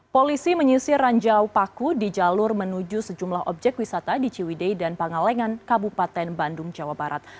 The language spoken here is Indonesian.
polisi menyisir ranjau paku di jalur menuju sejumlah objek wisata di ciwidei dan pangalengan kabupaten bandung jawa barat